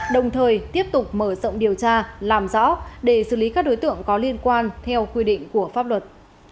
đồng thời tiếp tục mở rộng điều tra làm rõ để xử lý các đối tượng có liên quan theo quy định của pháp luật